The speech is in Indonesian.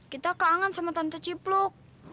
kita kangen sama tante cipluk